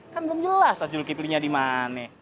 kan belum jelas lah judul kiplingnya di mana